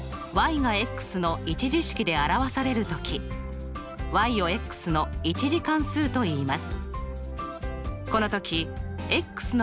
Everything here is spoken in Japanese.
がの２次式で表される時をの２次関数といいます。